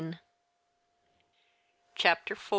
CHAPTER IV.